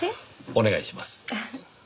お願いします。